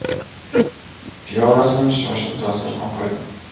Piyolasini shoshib dasturxon qo‘ydi.